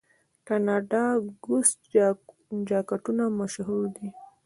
د کاناډا ګوز جاکټونه مشهور دي.